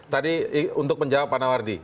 tadi untuk menjawab pak nawardi